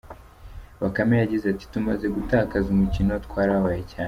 Bakame yagize ati: “Tumaze gutakaza umukino twarababaye cyane.